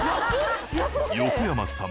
横山さん